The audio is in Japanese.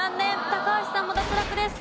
高橋さんも脱落です。